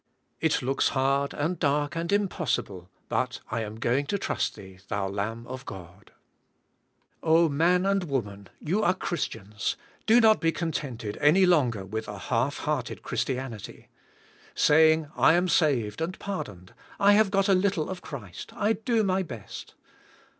It looks hard, and dark, and impossible, but I am going to trust Thee, Thou Lamb of God. I long to be brought into the very closest union. Oh ! man and woman, you are Christians; do not be contented any longer with a half hearted Christianity. Sa34ng, "I am saved, and pardoned. I have got a little of Christ, I do my best.